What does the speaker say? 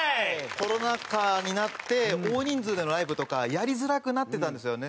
コロナ禍になって大人数でのライブとかやりづらくなってたんですよね